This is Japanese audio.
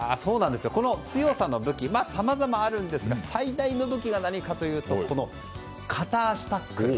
この強さの武器さまざまありますが最大の武器が片足タックル。